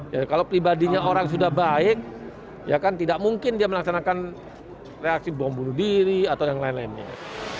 jadi kalau pribadinya orang sudah baik ya kan tidak mungkin dia melaksanakan reaksi bom bunuh diri atau yang lain lainnya